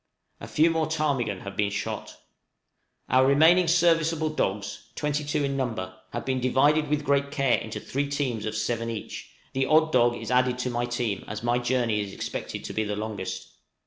A few more ptarmigan have been shot. {EARLY SPRING SLEDGE PARTIES.} Our remaining serviceable dogs, twenty two in number, have been divided with great care into three teams of seven each; the odd dog is added to my team, as my journey is expected to be the longest.